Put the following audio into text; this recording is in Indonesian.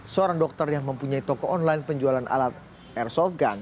seorang dokter yang mempunyai toko online penjualan alat airsoftgun